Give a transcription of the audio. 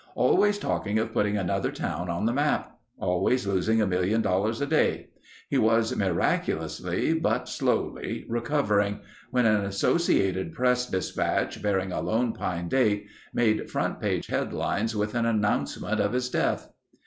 Always talking of putting another town on the map. Always losing a million dollars a day. He was miraculously but slowly recovering when an Associated Press dispatch bearing a Lone Pine date made front page headlines with an announcement of his death.